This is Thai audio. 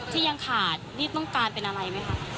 ที่ยังขาดนี่ต้องการอะไรแหมครับ